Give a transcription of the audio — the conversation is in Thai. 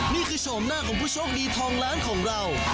โฉมหน้าของผู้โชคดีทองล้านของเรา